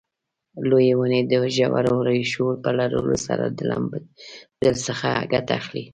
لویې ونې د ژورو ریښو په لرلو سره د لمدبل څخه ګټه اخلي.